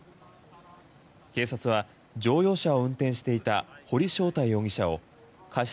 警察は乗用車を運転していた堀翔太容疑者を過失